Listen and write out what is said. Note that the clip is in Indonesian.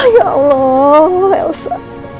ya allah elsa